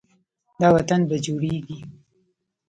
دا وطن به جوړیږي.